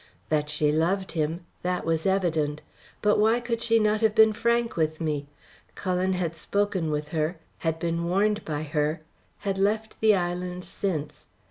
That she loved him that was evident. But why could she not have been frank with me? Cullen had spoken with her, had been warned by her, had left the island since.